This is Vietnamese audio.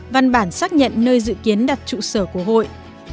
văn bản xác nhận nơi dự kiến đặt trụ sở của hội